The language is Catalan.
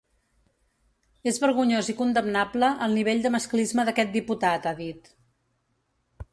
És vergonyós i condemnable el nivell de masclisme d’aquest diputat, ha dit.